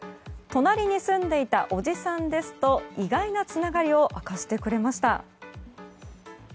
隣に住んでいたおじさんですと意外なつながりを明かしてくれました。